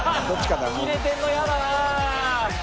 キレてんのやだな。